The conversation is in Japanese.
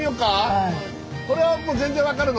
これはもう全然分かるの？